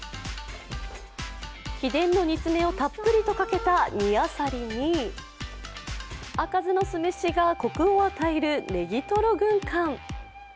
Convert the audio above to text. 秘伝の煮詰めをたっぷりとかけた煮あさりに赤酢の酢飯がコクを与えるねぎとろ軍艦。